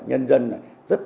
nhân dân này